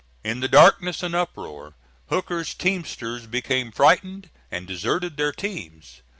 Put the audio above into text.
In the darkness and uproar Hooker's teamsters became frightened and deserted their teams.